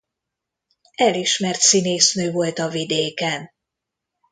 Elismert színésznő volt a vidéken.